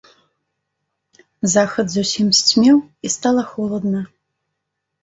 Захад зусім сцьмеў, і стала холадна.